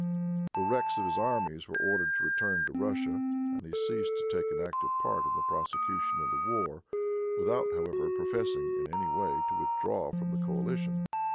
The wrecks of his armies were ordered to return to Russia, and he ceased to take an active part in the prosecution of the war, without however professing, in any way, to withdraw from the coalition.